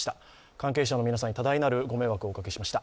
関係者の皆さんに多大なるご迷惑をおかけしました。